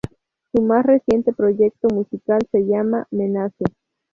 Su más reciente proyecto musical se llama Menace.